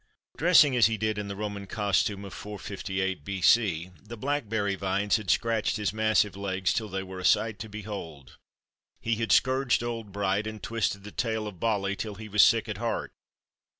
Dressing as he did in the Roman costume of 458 B. C., the blackberry vines had scratched his massive legs till they were a sight to behold. He had scourged Old Bright and twisted the tail of Bolly till he was sick at heart.